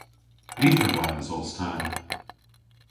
Lytherwas os ta.